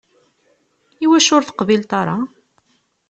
Iwacu ur teqbileḍ ara?